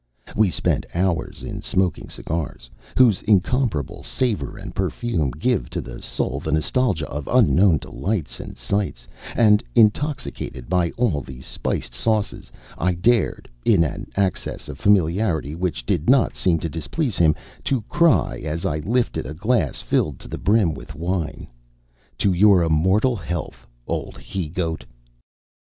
We spent hours in smoking cigars, whose incomparable savour and perfume give to the soul the nostalgia of unknown delights and sights, and, intoxicated by all these spiced sauces, I dared, in an access of familiarity which did not seem to displease him, to cry, as I lifted a glass filled to the brim with wine: "To your immortal health, Old He Goat!"